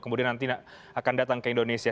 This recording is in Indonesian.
kemudian nanti akan datang ke indonesia